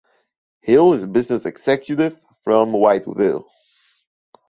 Hill is a business executive from Whiteville.